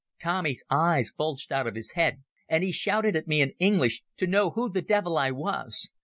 Tommy's eyes bulged out of his head, and he shouted at me in English to know who the devil I was.